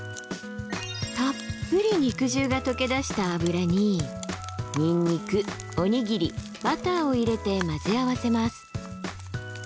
たっぷり肉汁が溶け出した油にニンニクおにぎりバターを入れて混ぜ合わせます。